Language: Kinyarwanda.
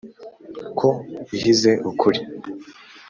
ko ihize ukuri,